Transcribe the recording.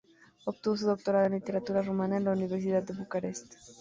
Obtuvo su doctorado en literatura rumana en la Universidad de Bucarest.